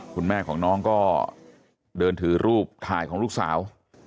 คุณแม่ของน้องก็เดินถือรูปถ่ายของลูกสาว